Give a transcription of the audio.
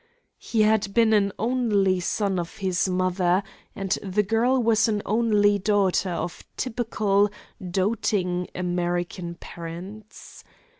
He had been an only son of his mother, and the girl was an only daughter of typical, doting American parents.